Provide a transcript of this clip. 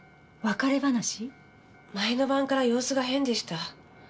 前の晩から様子が変でした。